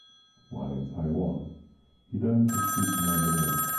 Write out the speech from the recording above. While in Taiwan, he learned to speak Mandarin.